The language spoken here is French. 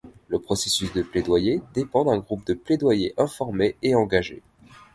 Le processus de plaidoyer dépend d’un groupe de plaidoyer informé et engagé.